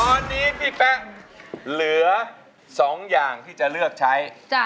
ตอนนี้พี่แป๊ะเหลือ๒อย่างที่จะเลือกใช้